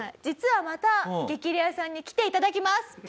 実はまた『激レアさん』に来て頂きます！